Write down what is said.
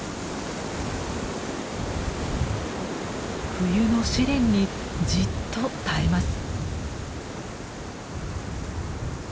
冬の試練にじっと耐えます。